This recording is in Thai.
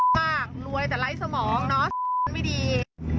มากรวยแต่ไร้สมองเนอะไม่ดี